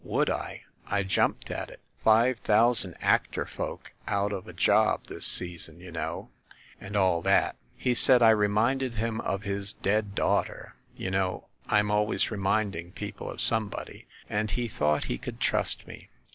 Would I? I jumped at it! ‚ÄĒ five thousand actor folk out of a job this season, you know, and all that. He said I reminded him of his dead daughter ‚ÄĒ you know I'm always reminding people of somebody ‚ÄĒ and he thought he could trust me.